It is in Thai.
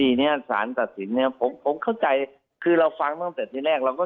อืมสารตัดสินนั้นผมเข้าใจคือเราฟังตั้งที่แรกเราก็